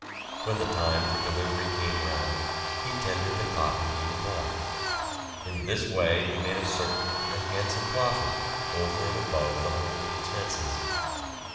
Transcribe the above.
When the time for delivery came round, he tendered the cotton he had bought; in this way he made a certain and a handsome profit over and above the holding expenses.